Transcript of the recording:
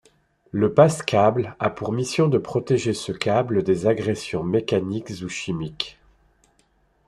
Le passe-câble a pour mission de protéger ce câble des agressions mécaniques ou chimiques.